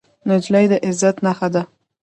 نجلۍ د عزت نښه ده.